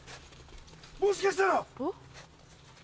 もしかしたら。